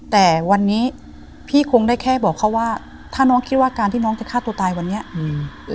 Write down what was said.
แต่วันนี้พี่คงได้แค่บอกเขาว่าถ้าน้องคิดว่าการที่น้องจะฆ่าตัวตายวันนี้อืม